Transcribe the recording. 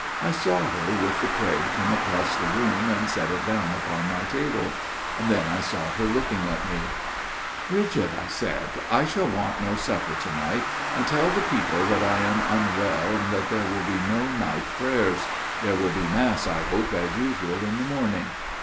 I saw her with the tray come across the room and set it down upon my table. Then I saw her looking at me. FATHER GIRDLESTONE'S TALE 127 "' Bridget,' I said, ' I shall want no supper to night. And tell the people that I am unwell and that there will be no night prayers. There will be Mass, I hope, as usual, in the morning.'